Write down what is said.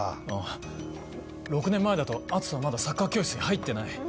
ああ６年前だと篤斗はまだサッカー教室に入ってない。